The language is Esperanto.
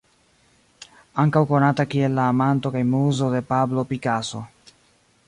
Ankaŭ konata kiel la amanto kaj muzo de Pablo Picasso.